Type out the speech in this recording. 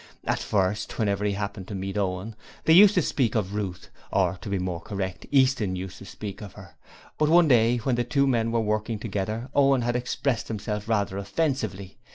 At first, whenever he happened to meet Owen, they used to speak of Ruth, or to be more correct, Easton used to speak of her; but one day when the two men were working together Owen had expressed himself rather offensively.